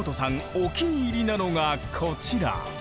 お気に入りなのがこちら。